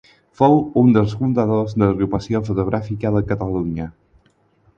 Fou un dels fundadors de l'Agrupació Fotogràfica de Catalunya.